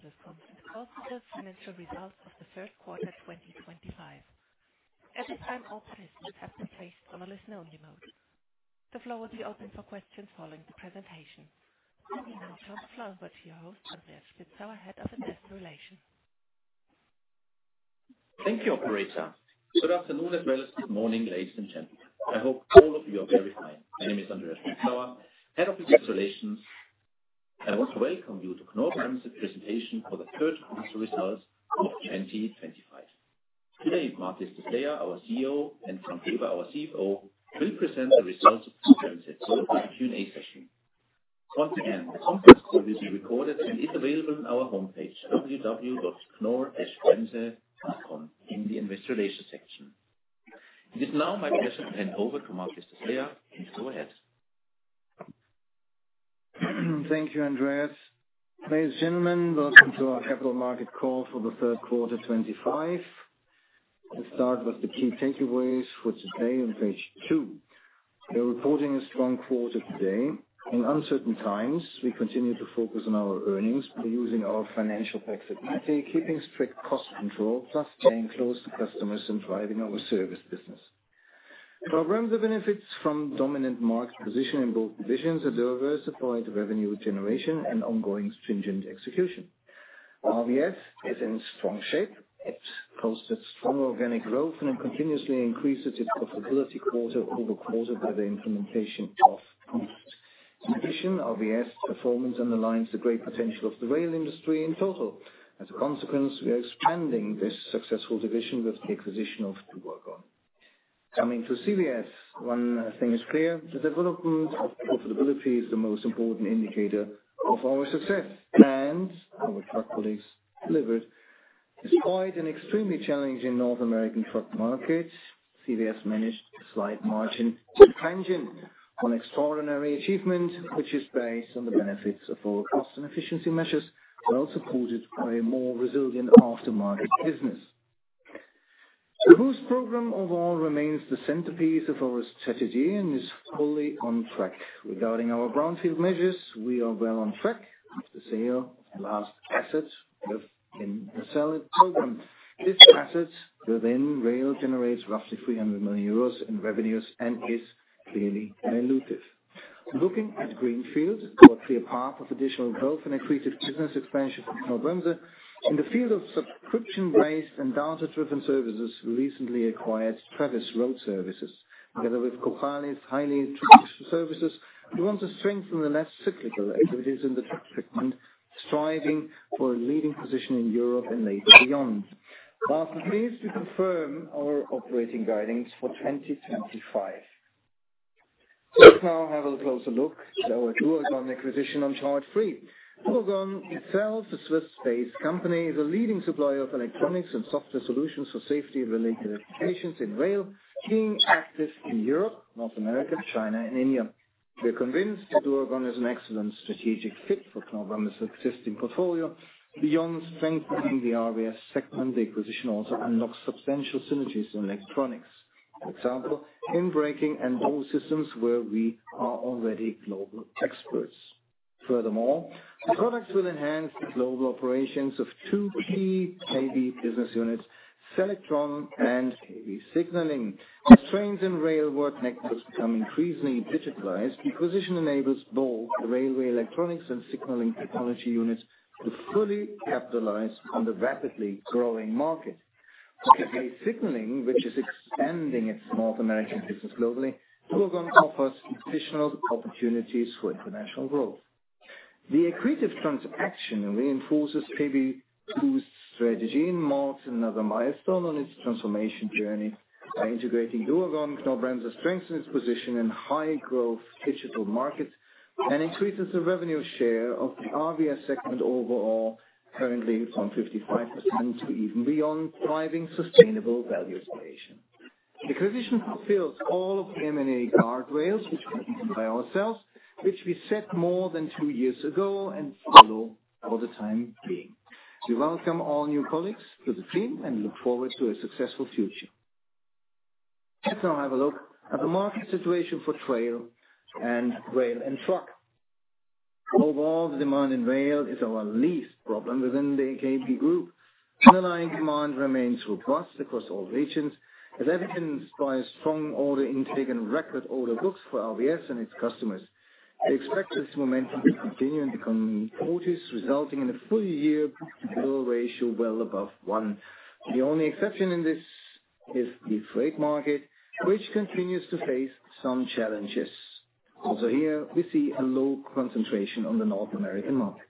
Welcome to Knorr-Bremse, Marc Llistosella, the financial results of the third quarter 2025. At this time, all participants have been placed on a listen-only mode. The floor will be open for questions following the presentation. I now turn the floor over to your host, Andreas Spitzauer, Head of Investor Relations. Thank you, operator. Good afternoon as well as good morning, ladies and gentlemen. I hope all of you are very fine. My name is Andreas Spitzauer, Head of Investor Relations, and I want to welcome you to Knorr-Bremse's presentation for the third quarter results of 2025. Today, Marc Llistosella, our CEO, and Frank Weber, our CFO, will present the results of Knorr-Bremse's so-called Q&A session. Once again, the conference call will be recorded and is available on our homepage, www.knorr-bremse.com, in the investor relations section. It is now my pleasure to hand over to Marc Llistosella. Please go ahead. Thank you, Andreas. Ladies and gentlemen, welcome to our capital market call for the third quarter 2025. We'll start with the key takeaways for today on page two. We're reporting a strong quarter today. In uncertain times, we continue to focus on our earnings by using our financial tax advantage, keeping strict cost control, plus staying close to customers and driving our service business. Knorr-Bremse benefits from dominant market position in both divisions and diversified revenue generation and ongoing stringent execution. RVS is in strong shape. It's posted strong organic growth and continuously increases its profitability quarter over quarter by the implementation of compost. In addition, RVS performance underlines the great potential of the rail industry in total. As a consequence, we are expanding this successful division with the acquisition of. To work on. Coming to CVS, one thing is clear. The development of profitability is the most important indicator of our success, and our truck colleagues delivered. Despite an extremely challenging North American truck market, CVS managed a slight margin to the tangent on extraordinary achievement, which is based on the benefits of our cost and efficiency measures, well supported by a more resilient aftermarket business. The BOOST program overall remains the centerpiece of our strategy and is fully on track. Regarding our brownfield measures, we are well on track. Lost the sale of the last asset within the sell-it program. This asset within rail generates roughly 300 million euros in revenues and is clearly dilutive. Looking at greenfield, our clear path of additional growth and accretive business expansion for Knorr-Bremse. In the field of subscription-based and data-driven services, we recently acquired TRAVIS Road Services. Together with Cojali's highly traditional services, we want to strengthen the less cyclical activities in the truck segment, striving for a leading position in Europe and later beyond. Lastly, please do confirm our operating guidance for 2025. Let's now have a closer look at our duagon acquisition on charge free. Duagon itself, a Swiss-based company, is a leading supplier of electronics and software solutions for safety-related applications in rail, being active in Europe, North America, China, and India. We are convinced Duagon is an excellent strategic fit for Knorr-Bremse's existing portfolio. Beyond strengthening the RVS segment, the acquisition also unlocks substantial synergies in electronics, for example, in braking and tow systems, where we are already global experts. Furthermore, the product will enhance the global operations of two key KB business units, Selectron and KB Signaling. As trains and railwork networks become increasingly digitalized, the acquisition enables both the railway electronics and signaling technology units to fully capitalize on the rapidly growing market. With KB Signaling, which is expanding its North American business globally, Duagon offers additional opportunities for international growth. The accretive transaction reinforces KB's BOOST strategy and marks another milestone on its transformation journey. By integrating Duagon, Knorr-Bremse strengthens its position in high-growth digital markets and increases the revenue share of the RVS segment overall, currently from 55% to even beyond, driving sustainable value creation. The acquisition fulfills all of the M&A guardrails which we have defined by ourselves, which we set more than two years ago and follow for the time being. We welcome all new colleagues to the team and look forward to a successful future. Let's now have a look at the market situation for rail and truck. Overall, the demand in rail is our least problem within the KB group. Underlying demand remains robust across all regions, as evidenced by strong order intake and record order books for RVS and its customers. We expect this momentum to continue in the coming quarters, resulting in a full-year book-to-bill ratio well above one. The only exception in this is the freight market, which continues to face some challenges. Also here, we see a low concentration on the North American market.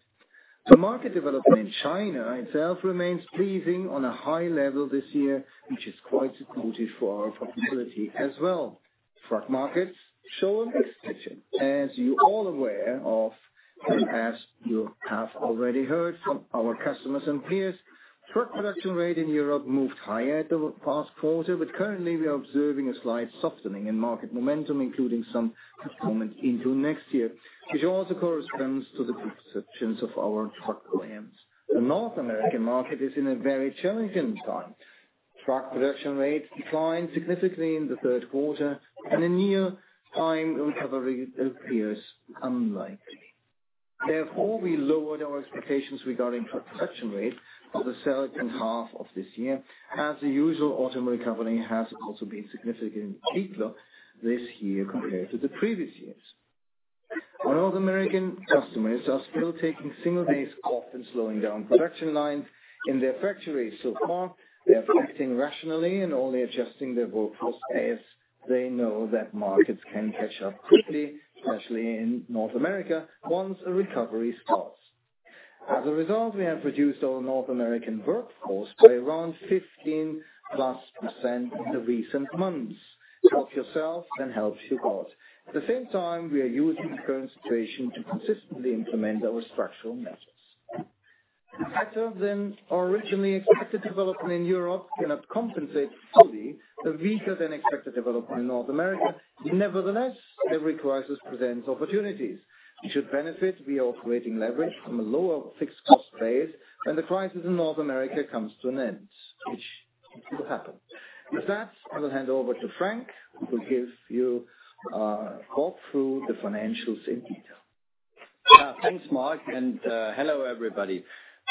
The market development in China itself remains pleasing on a high level this year, which is quite supportive for our profitability as well. Truck markets show a mixed picture. As you're all aware of, and as you have already heard from our customers and peers, truck production rate in Europe moved higher the past quarter, but currently, we are observing a slight softening in market momentum, including some performance into next year, which also corresponds to the perceptions of our truck OEMs. The North American market is in a very challenging time. Truck production rate declined significantly in the third quarter, and in near time, recovery appears unlikely. Therefore, we lowered our expectations regarding truck production rate for the second half of this year, as the usual autumn recovery has also been significantly weaker this year compared to the previous years. Our North American customers are still taking single days off and slowing down production lines in their factories so far. They are acting rationally and only adjusting their workforce as they know that markets can catch up quickly, especially in North America, once a recovery starts. As a result, we have reduced our North American workforce by around 15%+ in the recent months. Help yourself and help your God. At the same time, we are using the current situation to consistently implement our structural measures. Better than originally expected development in Europe cannot compensate fully for weaker-than-expected development in North America. Nevertheless, every crisis presents opportunities. We should benefit by operating leverage from a lower fixed-cost base when the crisis in North America comes to an end, which will happen. With that, I will hand over to Frank, who will give you a walk through the financials in detail. Thanks, Marc, and hello, everybody.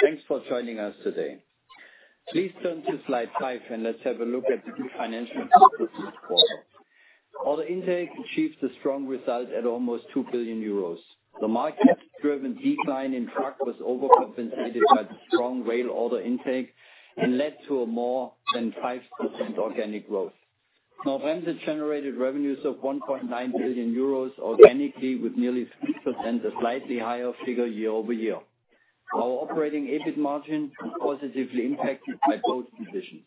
Thanks for joining us today. Please turn to slide five, and let's have a look at the financials for this quarter. Order intake achieved a strong result at almost 2 billion euros. The market-driven decline in truck was overcompensated by the strong rail order intake and led to a more than 5% organic growth. Knorr-Bremse generated revenues of 1.9 billion euros organically, with nearly 3%, a slightly higher figure year-over-year. Our operating EBIT margin was positively impacted by both decisions,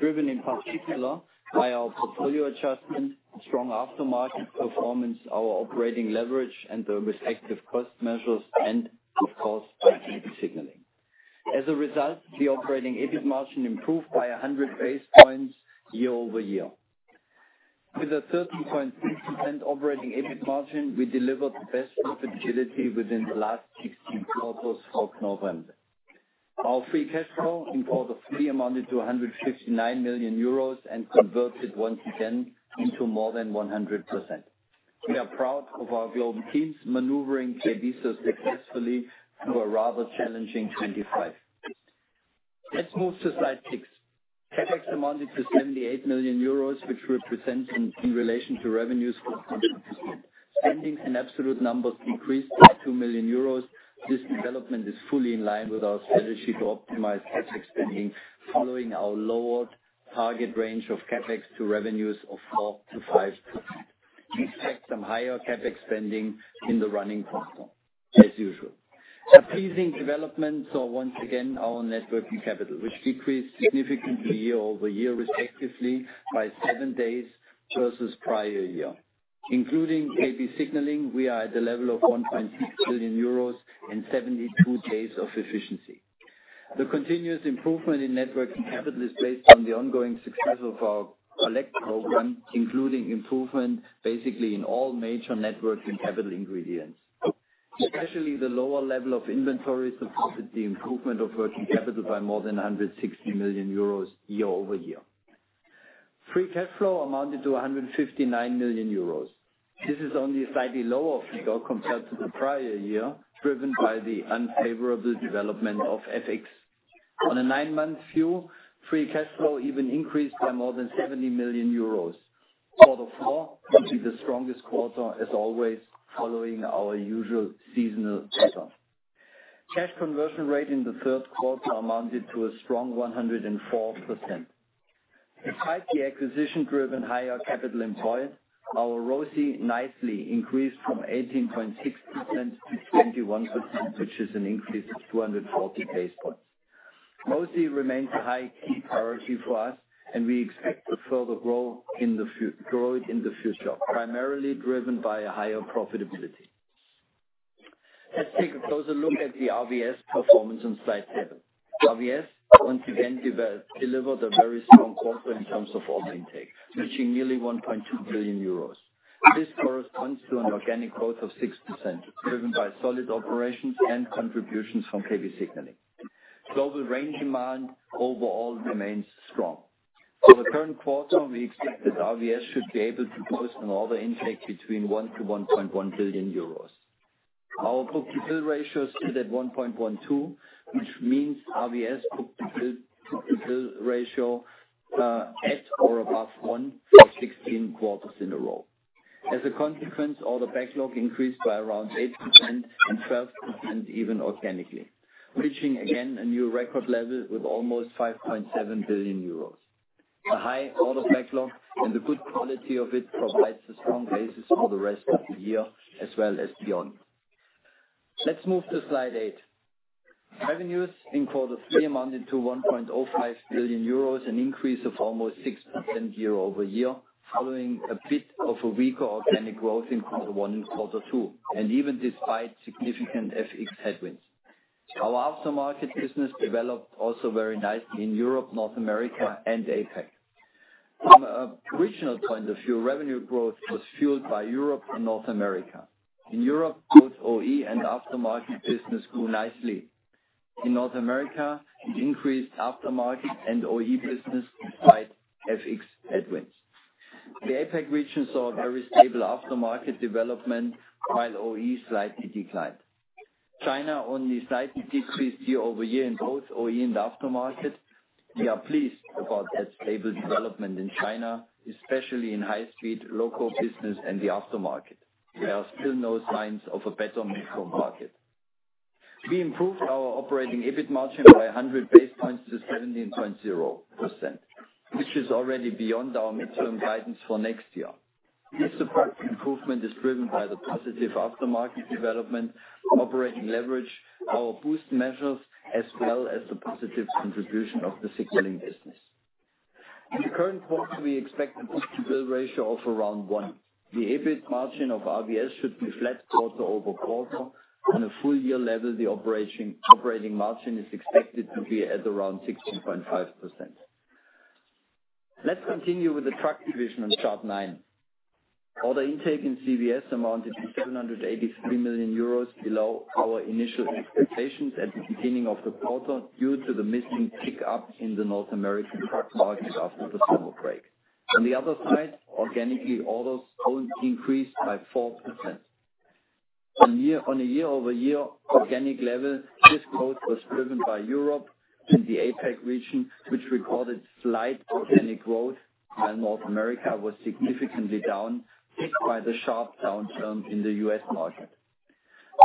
driven in particular by our portfolio adjustment, strong aftermarket performance, our operating leverage, and the respective cost measures, and, of course, KB Signaling. As a result, the operating EBIT margin improved by 100 basis points year-over-year. With a 13.6% operating EBIT margin, we delivered the best profitability within the last 16 quarters for Knorr-Bremse. Our free cash flow in quarter three amounted to 159 million euros and converted once again into more than 100%. We are proud of our global teams, maneuvering KB so successfully through a rather challenging 2025. Let's move to slide six. CapEx amounted to 78 million euros, which represents in relation to revenues 4.2%. Spending in absolute numbers decreased by 2 million euros. This development is fully in line with our strategy to optimize CapEx spending, following our lowered target range of CapEx to revenues of 4%-5%. We expect some higher CapEx spending in the running quarter, as usual. A pleasing development saw, once again, our networking capital, which decreased significantly year over year, respectively, by seven days versus prior year. Including KB Signaling, we are at the level of 1.6 billion euros and 72 days of efficiency. The continuous improvement in net working capital is based on the ongoing success of our collect program, including improvement basically in all major working capital ingredients. Especially, the lower level of inventory supported the improvement of working capital by more than 160 million euros year-over-year. Free cash flow amounted to 159 million euros. This is only a slightly lower figure compared to the prior year, driven by the unfavorable development of FX. On a nine-month view, free cash flow even increased by more than 70 million euros. Quarter four will be the strongest quarter, as always, following our usual seasonal pattern. Cash conversion rate in the third quarter amounted to a strong 104%. Despite the acquisition-driven higher capital employed, our ROCE nicely increased from 18.6% to 21%, which is an increase of 240 basis points. ROCE remains a high key priority for us, and we expect to further grow it in the future, primarily driven by a higher profitability. Let's take a closer look at the RVS performance on slide seven. RVS, once again, delivered a very strong quarter in terms of order intake, reaching nearly 1.2 billion euros. This corresponds to an organic growth of 6%, driven by solid operations and contributions from KB Signaling. Global rail demand overall remains strong. For the current quarter, we expect that RVS should be able to post an order intake between 1 billion to 1.1 billion euros. Our book-to-bill ratio is still at 1.12, which means RVS book-to-bill ratio at or above one for 16 quarters in a row. As a consequence, order backlog increased by around 8% and 12% even organically, reaching again a new record level with almost 5.7 billion euros. The high order backlog and the good quality of it provides a strong basis for the rest of the year as well as beyond. Let's move to slide eight. Revenues in quarter three amounted to 1.05 billion euros, an increase of almost 6% year-over-year, following a bit of a weaker organic growth in quarter one and quarter two, and even despite significant FX headwinds. Our aftermarket business developed also very nicely in Europe, North America, and APAC. From a regional point of view, revenue growth was fueled by Europe and North America. In Europe, both OE and aftermarket business grew nicely. In North America, it increased aftermarket and OE business despite FX headwinds. The APAC region saw very stable aftermarket development, while OE slightly declined. China only slightly decreased year over year in both OE and aftermarket. We are pleased about that stable development in China, especially in high-speed local business and the aftermarket. There are still no signs of a better midterm market. We improved our operating EBIT margin by 100 basis points to 17.0%, which is already beyond our midterm guidance for next year. This improvement is driven by the positive aftermarket development, operating leverage, our BOOST measures, as well as the positive contribution of the Signaling business. In the current quarter, we expect a book-to-bill ratio of around one. The EBIT margin of RVS should be flat quarter over quarter. On a full-year level, the operating margin is expected to be at around 16.5%. Let's continue with the truck division on chart nine. Order intake in CVS amounted to 783 million euros, below our initial expectations at the beginning of the quarter due to the missing pickup in the North American truck market after the summer break. On the other side, organic orders increased by 4%. On a year-over-year organic level, this growth was driven by Europe and the APAC region, which recorded slight organic growth, while North America was significantly down, picked by the sharp downturn in the U.S. market.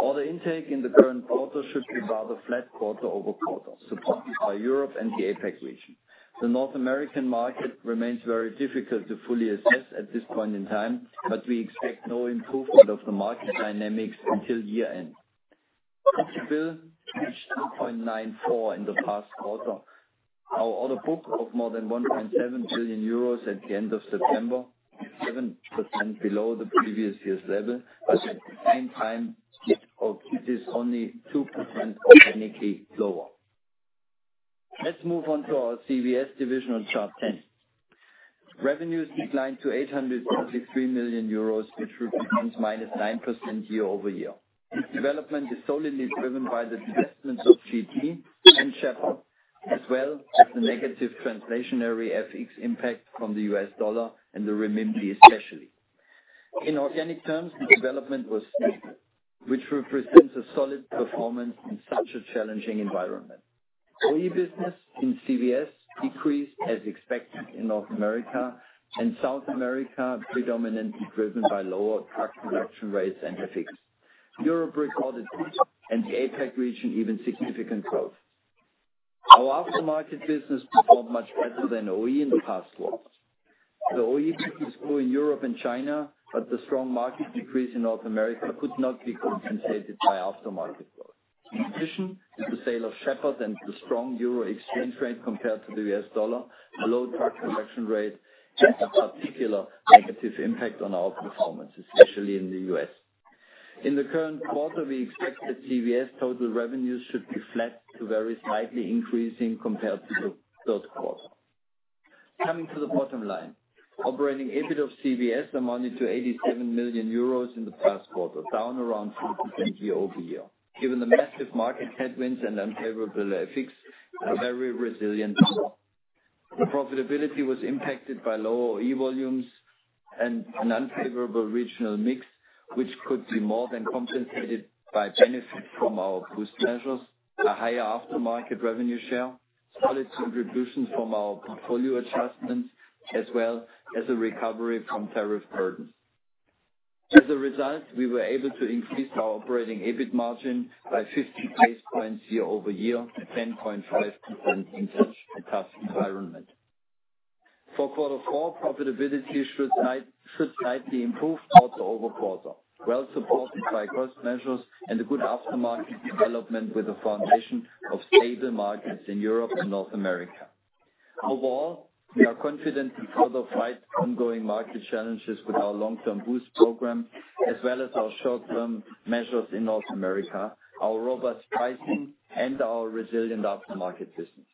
Order intake in the current quarter should be rather flat quarter over quarter, supported by Europe and the APAC region. The North American market remains very difficult to fully assess at this point in time, but we expect no improvement of the market dynamics until year-end. Book-to-bill reached 0.94 in the past quarter. Our order book of more than 1.7 billion euros at the end of September is 7% below the previous year's level, but at the same time, it is only 2% organically lower. Let's move on to our CVS division on chart 10. Revenues declined to 833 million euros, which represents -9% year-over-year. This development is solely driven by the divestment of GT and Sheppard, as well as the negative translationary FX impact from the U.S. dollar and the Rimimbi, especially. In organic terms, the development was stable, which represents a solid performance in such a challenging environment. OE business in CVS decreased, as expected, in North America and South America, predominantly driven by lower truck production rates and FX. Europe recorded and the APAC region even significant growth. Our aftermarket business performed much better than OE in the past quarter. The OE business grew in Europe and China, but the strong market decrease in North America could not be compensated by aftermarket growth. In addition, the sale of Sheppard and the strong euro exchange rate compared to the U.S. dollar, a low truck production rate, had a particular negative impact on our performance, especially in the U.S. In the current quarter, we expect that CVS total revenues should be flat to very slightly increasing compared to the third quarter. Coming to the bottom line, operating EBIT of CVS amounted to 87 million euros in the past quarter, down around 4% year-over-year. Given the massive market headwinds and unfavorable FX, a very resilient quarter. Profitability was impacted by lower OE volumes and an unfavorable regional mix, which could be more than compensated by benefits from our BOOST measures, a higher aftermarket revenue share, solid contributions from our portfolio adjustments, as well as a recovery from tariff burdens. As a result, we were able to increase our operating EBIT margin by 50 basis points year-over-year, 10.5% in such a tough environment. For quarter four, profitability should slightly improve quarter over quarter, well supported by cost measures and a good aftermarket development with a foundation of stable markets in Europe and North America. Overall, we are confident to further fight ongoing market challenges with our long-term boost program, as well as our short-term measures in North America, our robust pricing, and our resilient aftermarket business.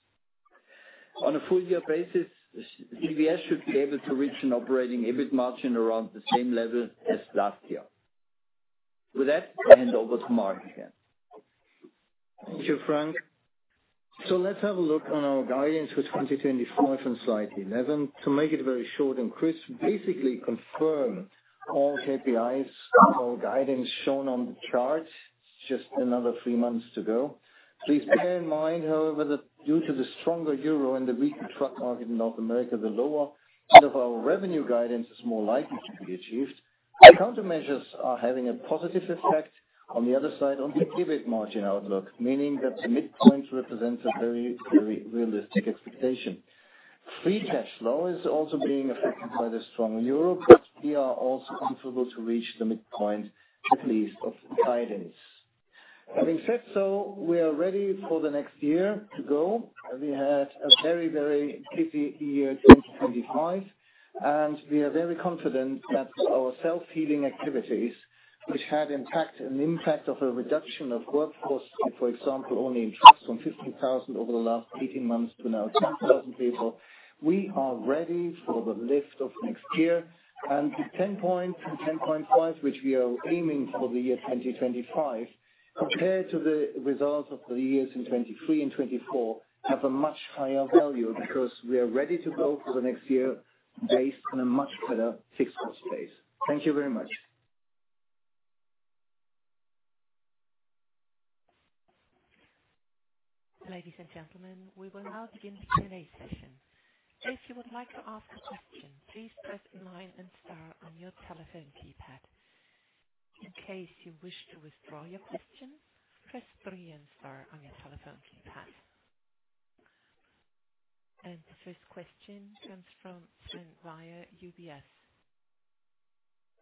On a full-year basis, CVS should be able to reach an operating EBIT margin around the same level as last year. With that, I hand over to Marc again. Thank you, Frank. Let's have a look on our guidance for 2024 from slide 11. To make it very short and crisp, we basically confirm all KPIs and all guidance shown on the chart. It's just another three months to go. Please bear in mind, however, that due to the stronger euro and the weaker truck market in North America, the lower end of our revenue guidance is more likely to be achieved. The countermeasures are having a positive effect on the other side on the EBIT margin outlook, meaning that the midpoint represents a very, very realistic expectation. Free cash flow is also being affected by the strong euro, but we are also comfortable to reach the midpoint, at least, of guidance. Having said so, we are ready for the next year to go. We had a very, very busy year 2025, and we are very confident that our self-healing activities, which had an impact of a reduction of workforce, for example, only in trucks from 15,000 over the last 18 months to now 12,000 people, we are ready for the lift of next year. The 10%-10.5%, which we are aiming for the year 2025, compared to the results of the years in 2023 and 2024, have a much higher value because we are ready to go for the next year based on a much better fixed cost base. Thank you very much. Ladies and gentlemen, we will now begin the Q&A session. If you would like to ask a question, please press nine and star on your telephone keypad. In case you wish to withdraw your question, press three and star on your telephone keypad. The first question comes from Sven Weier UBS.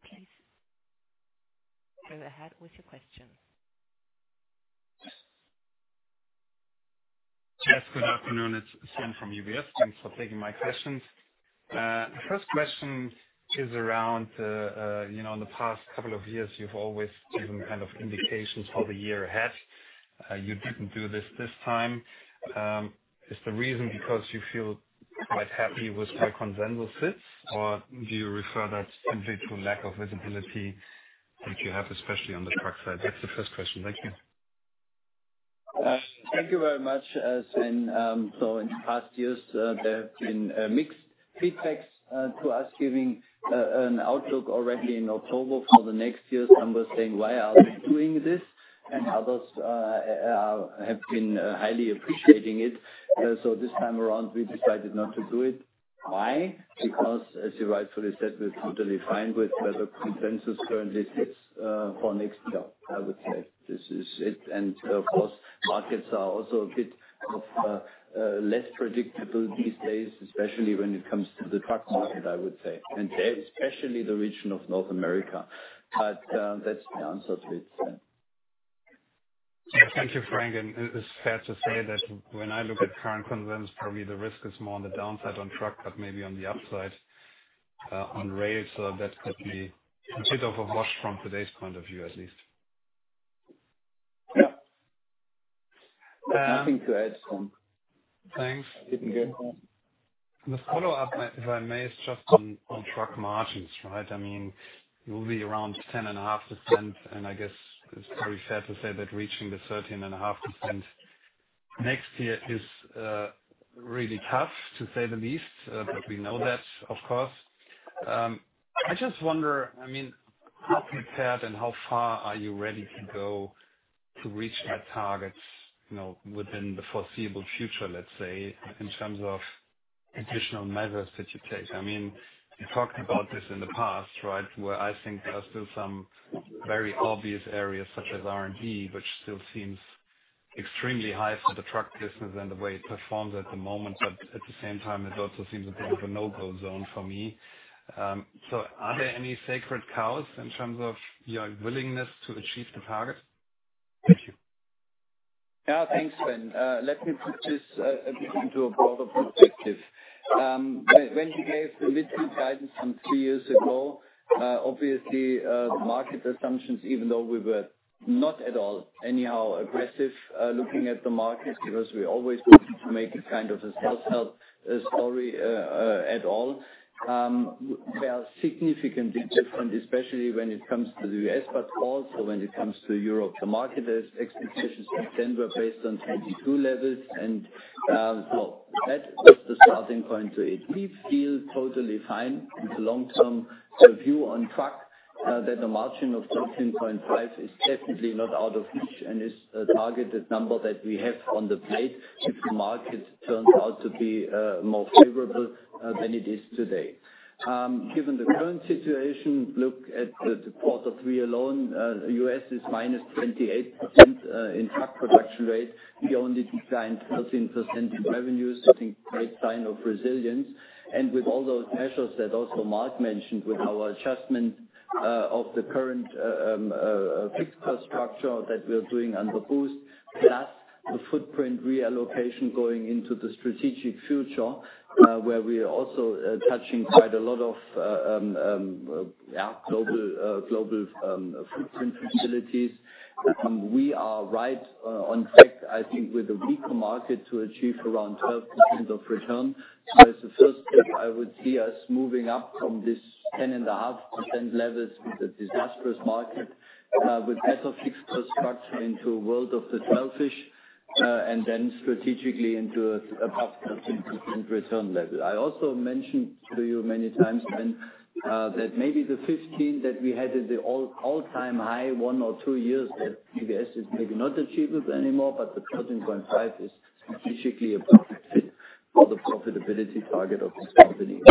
Please go ahead with your question. Yes, good afternoon. It's Sven from UBS. Thanks for taking my questions. The first question is around, in the past couple of years, you've always given kind of indications for the year ahead. You didn't do this this time. Is the reason because you feel quite happy with where consensus sits, or do you refer that simply to lack of visibility that you have, especially on the truck side? That's the first question. Thank you. Thank you very much, Sven. In the past years, there have been mixed feedbacks to us giving an outlook already in October for the next year's numbers, saying, "Why are we doing this?" Others have been highly appreciating it. This time around, we decided not to do it. Why? Because, as you rightfully said, we're totally fine with where the consensus currently sits for next year, I would say. This is it. Of course, markets are also a bit less predictable these days, especially when it comes to the truck market, I would say, and especially the region of North America. That's the answer to it, Sven. Thank you, Frank. It's fair to say that when I look at current consensus, probably the risk is more on the downside on truck, but maybe on the upside on rail. That could be a bit of a wash from today's point of view, at least. Yeah. Nothing to add, Sven. Thanks. Good. The follow-up, if I may, is just on truck margins, right? I mean, we'll be around 10.5%, and I guess it's probably fair to say that reaching the 13.5% next year is really tough, to say the least, but we know that, of course. I just wonder, I mean, how prepared and how far are you ready to go to reach that target within the foreseeable future, let's say, in terms of additional measures that you take? I mean, you talked about this in the past, right, where I think there are still some very obvious areas such as R&D, which still seems extremely high for the truck business and the way it performs at the moment, but at the same time, it also seems a bit of a no-go zone for me. So are there any sacred cows in terms of your willingness to achieve the target? Thank you. Yeah, thanks, Sven. Let me put this a bit into a broader perspective. When we gave the midterm guidance from three years ago, obviously, the market assumptions, even though we were not at all anyhow aggressive looking at the markets because we always wanted to make it kind of a self-help story at all, were significantly different, especially when it comes to the U.S., but also when it comes to Europe. The market expectations at the end were based on 22 levels, and so that was the starting point to it. We feel totally fine with the long-term view on truck that a margin of 13.5% is definitely not out of reach and is a targeted number that we have on the plate if the market turns out to be more favorable than it is today. Given the current situation, look at the quarter three alone, the U.S. is -28% in truck production rate. We only declined 13% in revenues, I think a great sign of resilience. With all those measures that also Marc mentioned, with our adjustment of the current fixed cost structure that we're doing under BOOST, plus the footprint reallocation going into the strategic future, where we're also touching quite a lot of global footprint facilities, we are right on track, I think, with a weaker market to achieve around 12% of return. As a first step, I would see us moving up from this 10.5% levels with a disastrous market, with better fixed cost structure into a world of the shellfish, and then strategically into about 13% return level. I also mentioned to you many times, Sven, that maybe the 15% that we had at the all-time high one or two years that CVS is maybe not achievable anymore, but the 13.5% is strategically a perfect fit for the profitability target of this company.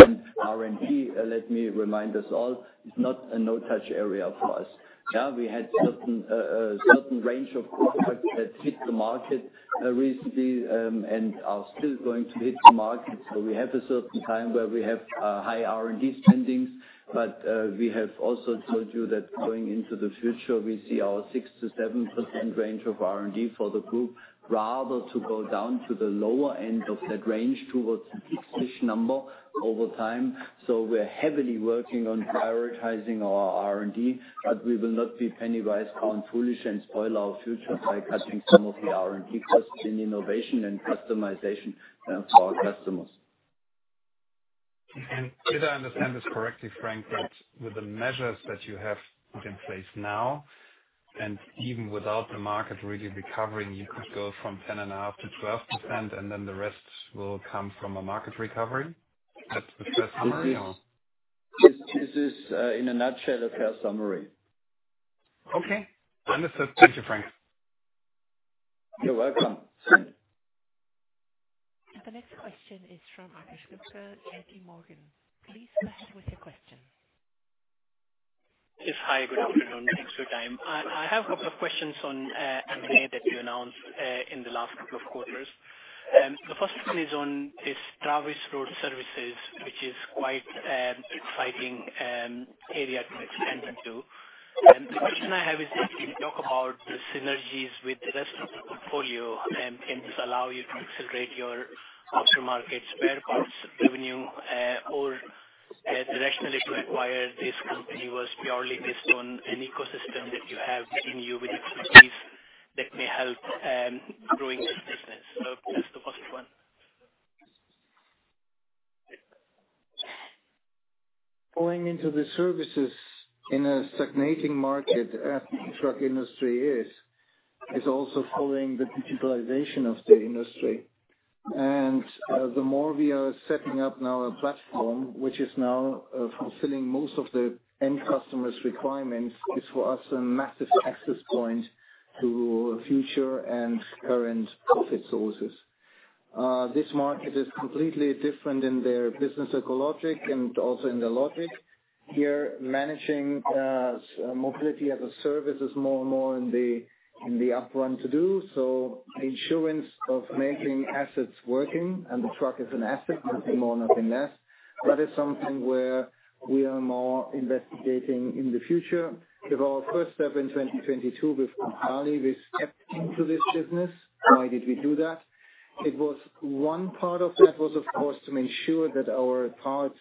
R&D, let me remind us all, is not a no-touch area for us. Yeah, we had a certain range of products that hit the market recently and are still going to hit the market. We have a certain time where we have high R&D spendings, but we have also told you that going into the future, we see our 6%-7% range of R&D for the group, rather to go down to the lower end of that range towards the fixed fish number over time. We're heavily working on prioritizing our R&D, but we will not be pennywise, pound foolish and spoil our future by cutting some of the R&D costs in innovation and customization for our customers. Did I understand this correctly, Frank, that with the measures that you have put in place now, and even without the market really recovering, you could go from 10.5% to 12%, and then the rest will come from a market recovery? That's the fair summary, or? This is, in a nutshell, a fair summary. Okay. Understood. Thank you, Frank. You're welcome, Sven. The next question is from Akash Gupta, JP Morgan. Please go ahead with your question. Yes, hi. Good afternoon. Thanks for your time. I have a couple of questions on M&A that you announced in the last couple of quarters. The first one is on this TRAVIS Road Services, which is quite an exciting area to extend into. The question I have is, if you talk about the synergies with the rest of the portfolio, can this allow you to accelerate your aftermarket spare parts revenue, or the rationale to acquire this company was purely based on an ecosystem that you have in you with expertise that may help growing this business? That's the first one. Going into the services in a stagnating market, as the truck industry is, is also following the digitalization of the industry. The more we are setting up now a platform, which is now fulfilling most of the end customer's requirements, is for us a massive access point to future and current profit sources. This market is completely different in their business psychologic and also in the logic. Here, managing mobility as a service is more and more in the upfront to do. The insurance of making assets working and the truck as an asset is more than nothing less. That is something where we are more investigating in the future. With our first step in 2022, with Cojali, we stepped into this business. Why did we do that? It was one part of that was, of course, to make sure that our parts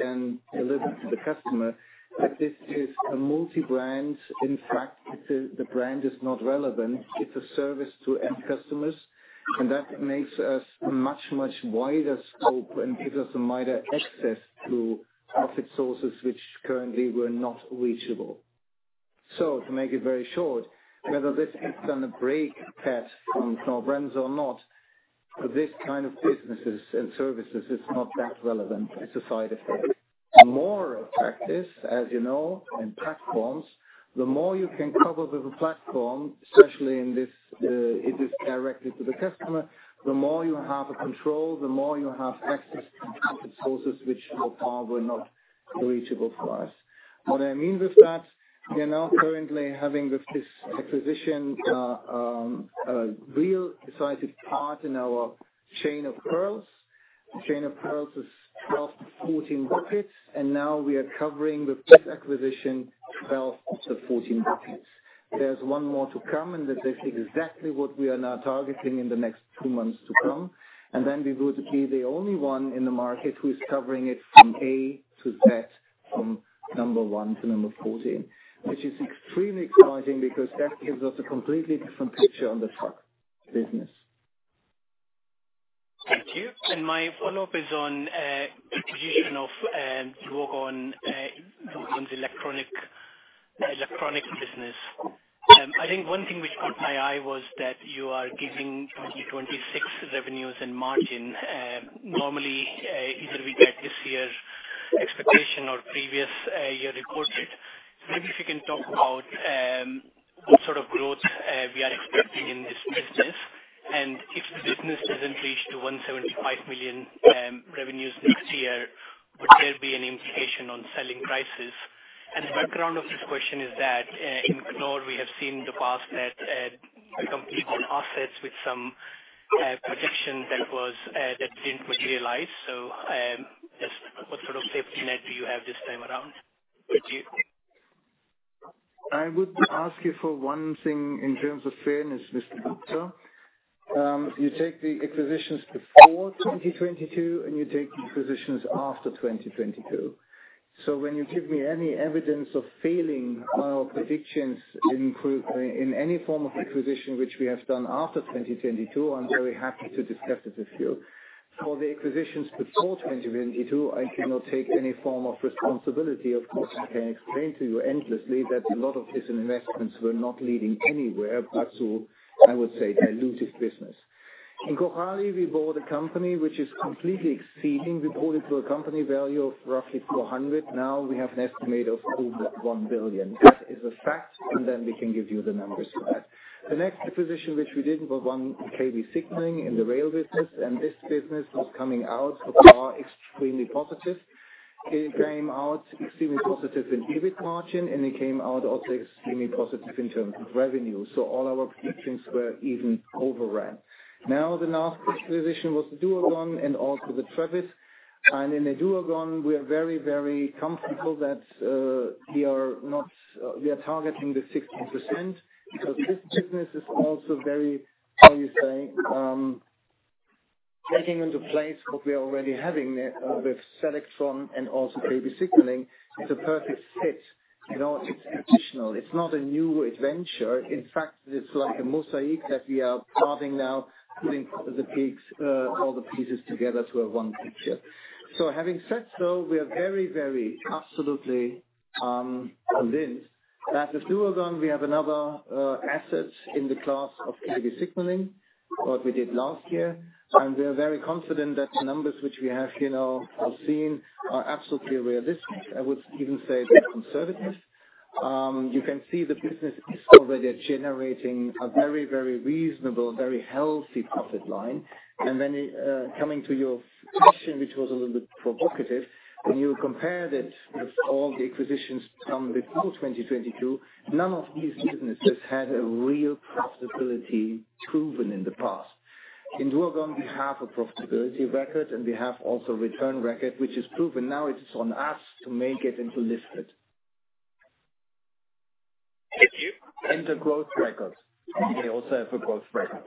can deliver to the customer, but this is a multi-brand. In fact, the brand is not relevant. It's a service to end customers, and that makes us a much, much wider scope and gives us a mightier access to profit sources which currently were not reachable. To make it very short, whether this has done a break path from Knorr-Bremse or not, for this kind of businesses and services, it's not that relevant. It's a side effect. More practice, as you know, and platforms, the more you can cover with a platform, especially in this it is directed to the customer, the more you have a control, the more you have access to profit sources which were far were not reachable for us. What I mean with that, we are now currently having with this acquisition a real decisive part in our chain of pearls. The chain of pearls is 12-14 buckets, and now we are covering with this acquisition 12-14 buckets. There is one more to come, and that is exactly what we are now targeting in the next two months to come. Then we would be the only one in the market who is covering it from A to Z, from number one to number 14, which is extremely exciting because that gives us a completely different picture on the truck business. Thank you. My follow-up is on the acquisition of duagon's electronic business. I think one thing which caught my eye was that you are giving 2026 revenues and margin. Normally, either we get this year's expectation or previous year reported. Maybe if you can talk about what sort of growth we are expecting in this business, and if the business doesn't reach to 175 million revenues next year, would there be an implication on selling prices? The background of this question is that in Knorr, we have seen in the past that the company, on assets with some projection that didn't materialize. What sort of safety net do you have this time around? I would ask you for one thing in terms of fairness, Mr. Gupta. You take the acquisitions before 2022, and you take the acquisitions after 2022. When you give me any evidence of failing our predictions in any form of acquisition which we have done after 2022, I'm very happy to discuss it with you. For the acquisitions before 2022, I do not take any form of responsibility. Of course, I can explain to you endlessly that a lot of these investments were not leading anywhere but to, I would say, diluted business. In Cojali, we bought a company which is completely exceeding. We bought it for a company value of roughly 400. Now we have an estimate of over 1 billion. That is a fact, and then we can give you the numbers for that. The next acquisition which we did was one with KB Signaling in the rail business, and this business was coming out so far extremely positive. It came out extremely positive in EBIT margin, and it came out also extremely positive in terms of revenue. All our predictions were even overrun. Now the last acquisition was the duagon and also the TRAVIS. In the duagon, we are very, very comfortable that we are targeting the 16% because this business is also very, how do you say, taking into place what we are already having with Selectron and also KB Signaling. It's a perfect fit. It's additional. It's not a new adventure. In fact, it's like a mosaic that we are starting now putting the pieces together to a one picture. Having said so, we are very, very absolutely convinced that with duagon, we have another asset in the class of KB Signaling, what we did last year, and we are very confident that the numbers which we have here now are seen are absolutely realistic. I would even say they're conservative. You can see the business is already generating a very, very reasonable, very healthy profit line. Then coming to your question, which was a little bit provocative, when you compare that with all the acquisitions done before 2022, none of these businesses had a real profitability proven in the past. In duagon, we have a profitability record, and we have also a return record, which is proven. Now it is on us to make it into listed. Thank you. The growth record. We also have a growth record,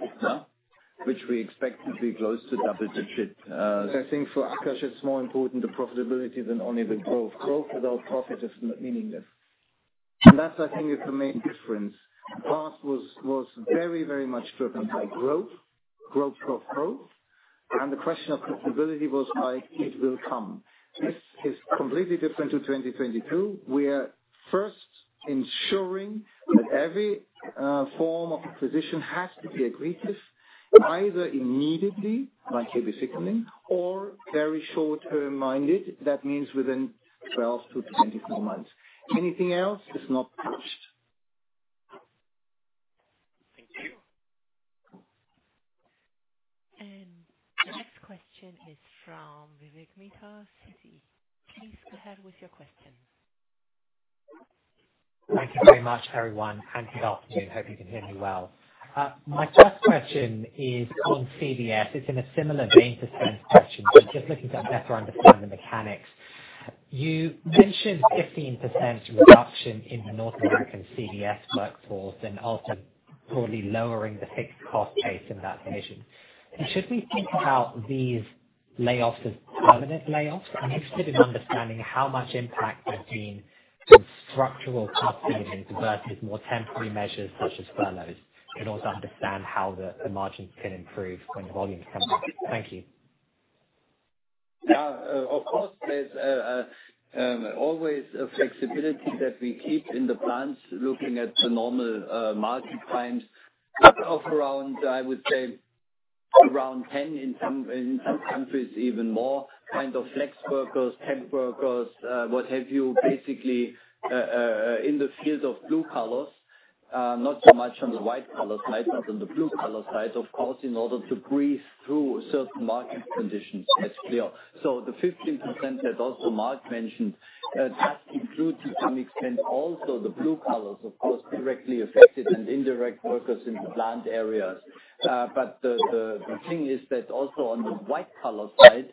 which we expect to be close to double-digit. I think for Akash, it is more important, the profitability than only the growth. Growth without profit is not meaningless. That is, I think, the main difference. The past was very, very much driven by growth, growth, growth, growth, and the question of profitability was like, "It will come." This is completely different to 2022. We are first ensuring that every form of acquisition has to be agreed to, either immediately, like KB Signaling, or very short-term minded. That means within 12 months-24 months. Anything else is not touched. Thank you. The next question is from Vivek Midha, Citi. Please go ahead with your question. Thank you very much, everyone. Good afternoon. Hope you can hear me well. My first question is on CVS. It is in a similar vein to Sven's question, but just looking to better understand the mechanics. You mentioned 15% reduction in the North American CVS workforce and ultimately probably lowering the fixed cost base in that division. Should we think about these layoffs as permanent layoffs? I am interested in understanding how much impact there has been on structural cost savings versus more temporary measures such as furloughs. Can you also understand how the margins can improve when volumes come in? Thank you. Yeah. Of course, there's always a flexibility that we keep in the plants looking at the normal market times of around, I would say, around 10 in some countries, even more, kind of flex workers, temp workers, what have you, basically in the field of blue collars, not so much on the white collar side, but on the blue collar side, of course, in order to breathe through certain market conditions. That's clear. The 15% that also Marc mentioned does include to some extent also the blue collars, of course, directly affected and indirect workers in the plant areas. The thing is that also on the white collar side,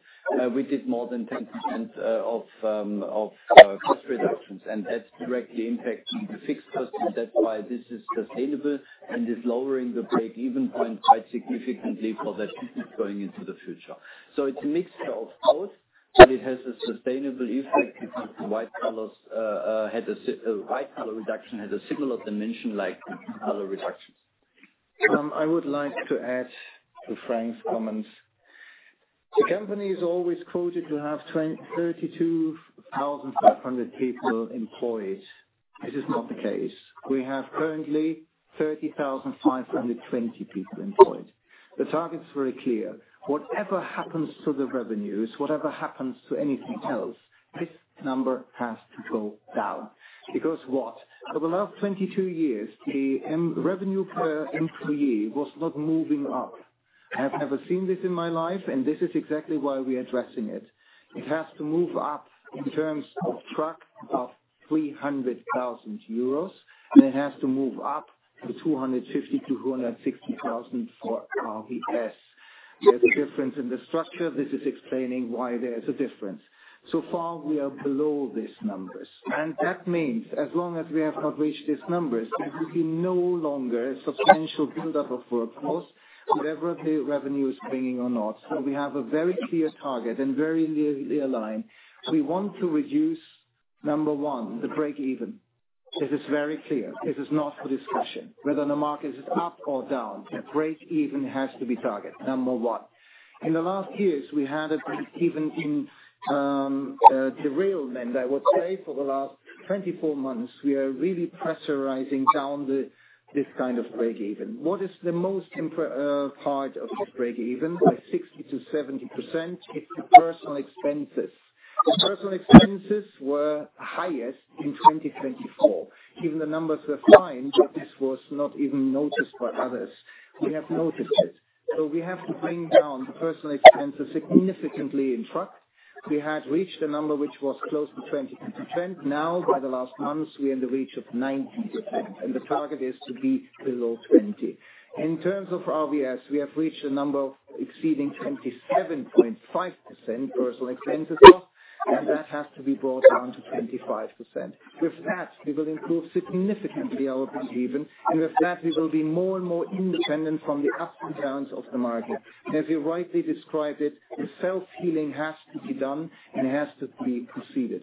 we did more than 10% of cost reductions, and that's directly impacting the fixed costs. That's why this is sustainable, and it's lowering the break-even point quite significantly for the business going into the future. It is a mixture of both, but it has a sustainable effect because the white collar reduction had a similar dimension like the blue collar reductions. I would like to add to Frank's comments. The company is always quoted to have 32,500 people employed. This is not the case. We have currently 30,520 people employed. The target is very clear. Whatever happens to the revenues, whatever happens to anything else, this number has to go down. Because for the last 22 years, the revenue per employee was not moving up. I have never seen this in my life, and this is exactly why we are addressing it. It has to move up in terms of truck of 300,000 euros, and it has to move up to 250,000-260,000 for RVS. There is a difference in the structure. This is explaining why there is a difference. So far, we are below these numbers. That means as long as we have not reached these numbers, there will be no longer a substantial buildup of workforce, whatever the revenue is bringing or not. We have a very clear target and very clearly aligned. We want to reduce, number one, the break-even. This is very clear. This is not for discussion. Whether the market is up or down, the break-even has to be targeted, number one. In the last years, we had a break-even in derailment, I would say, for the last 24 months. We are really pressurizing down this kind of break-even. What is the most important part of this break-even? By 60%-70% is the personal expenses. The personal expenses were highest in 2024. Even the numbers were fine, but this was not even noticed by others. We have noticed it. We have to bring down the personnel expenses significantly in truck. We had reached a number which was close to 22%. Now, by the last months, we are in the reach of 90%, and the target is to be below 20%. In terms of RVS, we have reached a number exceeding 27.5% personnel expenses cost, and that has to be brought down to 25%. With that, we will improve significantly our break-even, and with that, we will be more and more independent from the ups and downs of the market. As you rightly described it, the self-healing has to be done, and it has to be proceeded.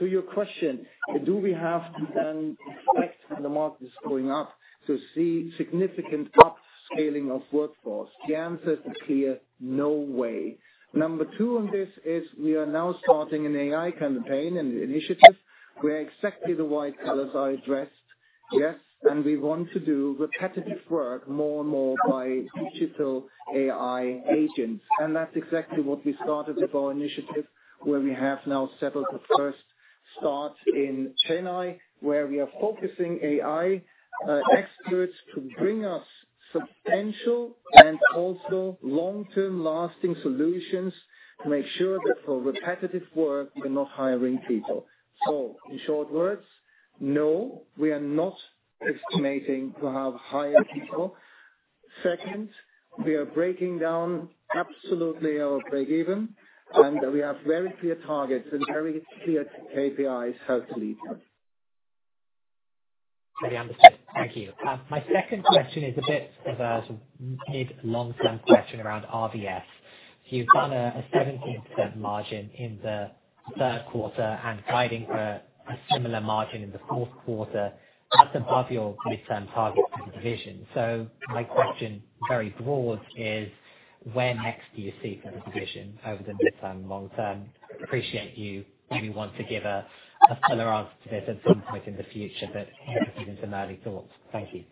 To your question, do we have to then expect when the market is going up to see significant upscaling of workforce? The answer is clear: no way. Number two on this is we are now starting an AI campaign and initiative. We are exactly the white collars I addressed. Yes, and we want to do repetitive work more and more by digital AI agents. That is exactly what we started with our initiative, where we have now settled the first start in Chennai, where we are focusing AI experts to bring us substantial and also long-term lasting solutions to make sure that for repetitive work, we are not hiring people. In short words, no, we are not estimating to have hired people. Second, we are breaking down absolutely our break-even, and we have very clear targets and very clear KPIs how to lead them. Very understood. Thank you. My second question is a bit of a mid-long-term question around RVS. You've done a 17% margin in the third quarter and guiding for a similar margin in the fourth quarter. That's above your midterm target for the division. So my question, very broad, is where next do you see for the division over the midterm and long-term? Appreciate you. Maybe once you give a fuller answer to this at some point in the future, but I'm just using some early thoughts. Thank you.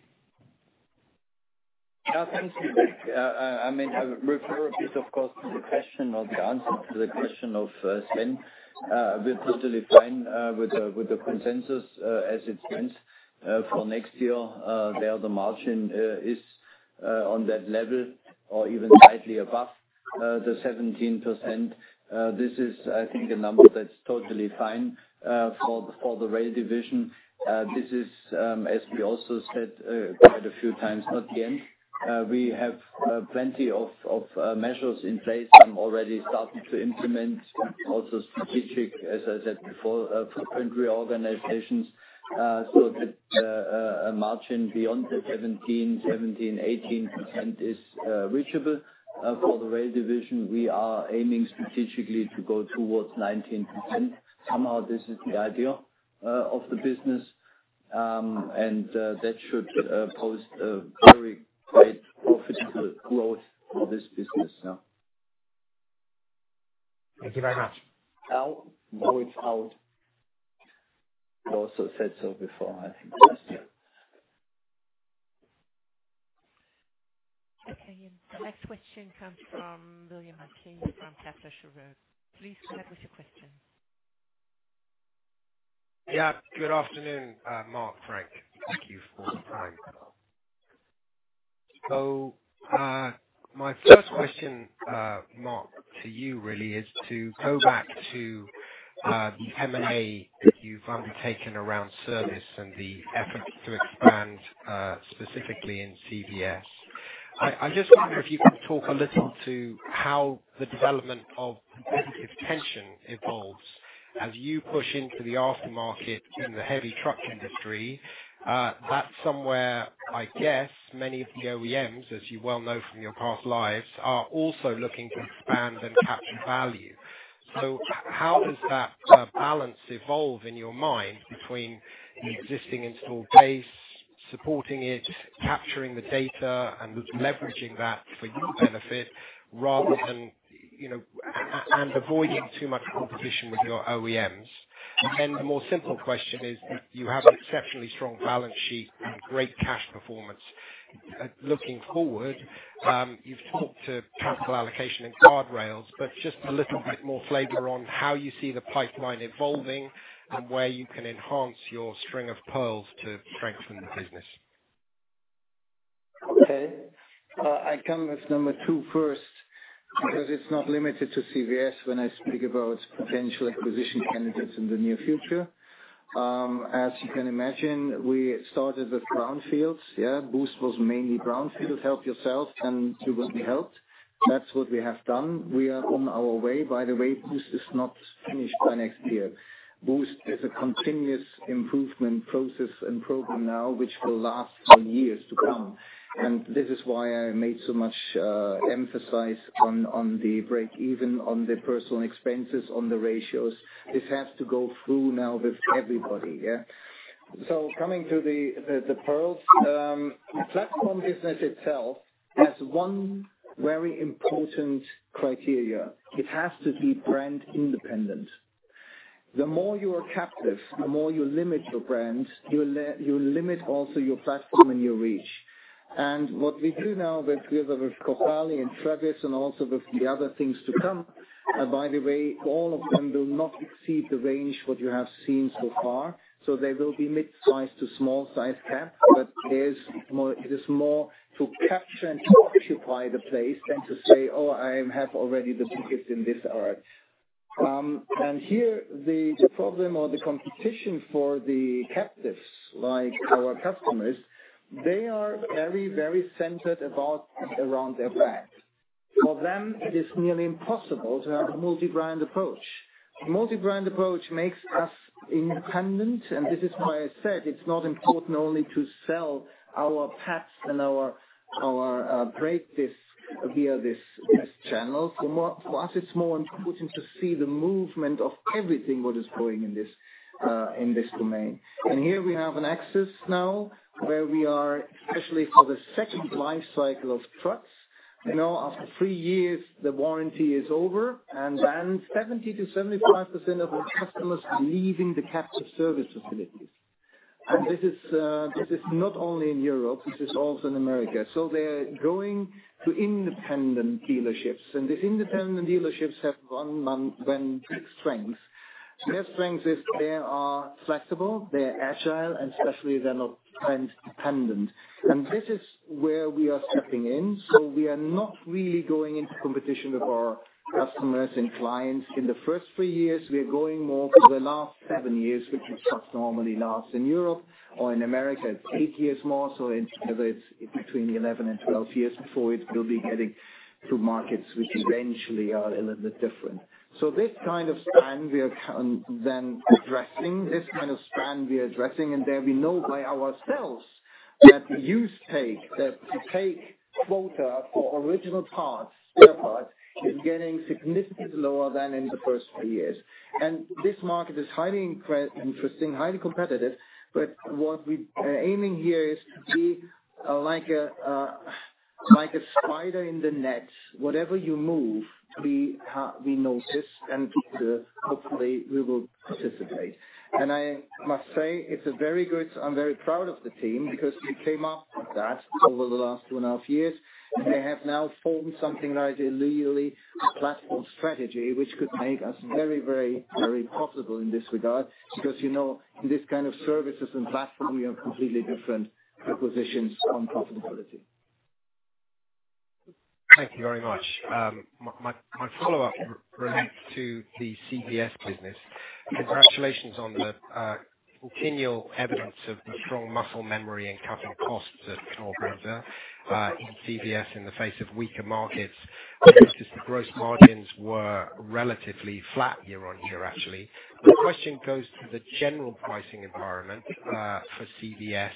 Yeah, thank you, Vivek. I mean, I would refer a bit, of course, to the question or the answer to the question of Sven. We're totally fine with the consensus as it stands for next year. There, the margin is on that level or even slightly above the 17%. This is, I think, a number that's totally fine for the rail division. This is, as we also said quite a few times, not the end. We have plenty of measures in place. I'm already starting to implement also strategic, as I said before, footprint reorganizations so that a margin beyond the 17%, 18% is reachable. For the rail division, we are aiming strategically to go towards 19%. Somehow, this is the idea of the business, and that should post very great profitable growth for this business. Thank you very much. Now it's out. You also said so before, I think. Okay. The next question comes from William Mackie from Deutsche Bank. Please go ahead with your question. Yeah. Good afternoon, Marc, Frank. Thank you for the time. My first question, Marc, to you really is to go back to the M&A that you've undertaken around service and the efforts to expand specifically in CVS. I just wonder if you can talk a little to how the development of competitive tension evolves as you push into the aftermarket in the heavy truck industry. That's somewhere, I guess, many of the OEMs, as you well know from your past lives, are also looking to expand and capture value. How does that balance evolve in your mind between the existing installed base, supporting it, capturing the data, and leveraging that for your benefit rather than and avoiding too much competition with your OEMs? The more simple question is that you have an exceptionally strong balance sheet and great cash performance. Looking forward, you've talked to capital allocation and guardrails, but just a little bit more flavor on how you see the pipeline evolving and where you can enhance your string of pearls to strengthen the business. Okay. I come with number two first because it's not limited to CVS when I speak about potential acquisition candidates in the near future. As you can imagine, we started with brownfields. Yeah, BOOST was mainly brownfield, help yourself, and you will be helped. That's what we have done. We are on our way. By the way, BOOST is not finished by next year. BOOST is a continuous improvement process and program now, which will last for years to come. This is why I made so much emphasis on the break-even, on the personal expenses, on the ratios. This has to go through now with everybody. Yeah. Coming to the pearls, the platform business itself has one very important criteria. It has to be brand independent. The more you are captive, the more you limit your brand, you limit also your platform and your reach. What we do now together with Cojali and TRAVIS and also with the other things to come, by the way, all of them will not exceed the range you have seen so far. There will be mid-size to small-size cap, but it is more to capture and to occupy the place than to say, "Oh, I have already the tickets in this array." Here, the problem or the competition for the captives like our customers, they are very, very centered around their brand. For them, it is nearly impossible to have a multi-brand approach. Multi-brand approach makes us independent, and this is why I said it's not important only to sell our parts and our brake discs via this channel. For us, it's more important to see the movement of everything that is going in this domain. Here we have an axis now where we are, especially for the second life cycle of trucks. Now, after three years, the warranty is over, and then 70%-75% of the customers are leaving the captive service facilities. This is not only in Europe; this is also in America. They are going to independent dealerships, and these independent dealerships have one strength. Their strength is they are flexible, they are agile, and especially they are not spend dependent. This is where we are stepping in. We are not really going into competition with our customers and clients in the first three years. We are going more for the last seven years, which is what normally lasts in Europe or in America. It's eight years more, so in together, it's between 11 and 12 years before we'll be getting through markets which eventually are a little bit different. This kind of span, we are then addressing. This kind of span, we are addressing, and there we know by ourselves that the use take that to take quota for original parts, spare parts, is getting significantly lower than in the first three years. This market is highly interesting, highly competitive, but what we are aiming here is to be like a spider in the net. Whatever you move, we notice, and hopefully, we will participate. I must say, it's a very good—I'm very proud of the team because we came up with that over the last two and a half years. They have now formed something like a legally platform strategy, which could make us very, very, very profitable in this regard because in this kind of services and platform, we have completely different acquisitions on profitability. Thank you very much. My follow-up relates to the CVS business. Congratulations on the continual evidence of the strong muscle memory and cutting costs at Knorr-Bremse in CVS in the face of weaker markets. Notice the gross margins were relatively flat year on year, actually. My question goes to the general pricing environment for CVS,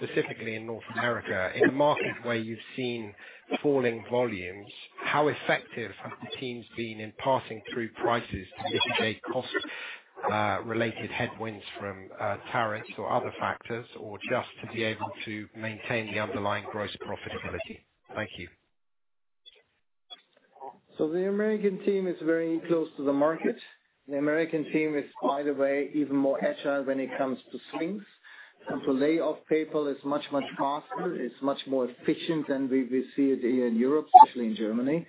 specifically in North America. In a market where you've seen falling volumes, how effective have the teams been in passing through prices to mitigate cost-related headwinds from tariffs or other factors, or just to be able to maintain the underlying gross profitability? Thank you. The American team is very close to the market. The American team is, by the way, even more agile when it comes to swings. To lay off PayPal is much, much faster. It is much more efficient than we see here in Europe, especially in Germany.